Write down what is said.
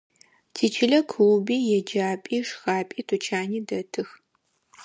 Тичылэ клуби, еджапӏи, шхапӏи, тучани дэтых.